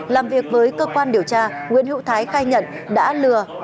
làm việc với cơ quan điều tra nguyễn hữu thái khai nhận đã lừa